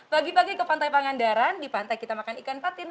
bagi bagi ke pantai pangandaran di pantai kita makan ikan patin